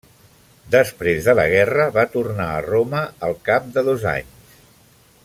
Després de la guerra va tornar a Roma al cap de dos anys.